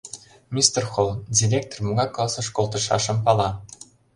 Мистер Холл, директор, могай классыш колтышашым пала.